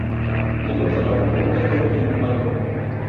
Luego trabajó como cajero en un Banco.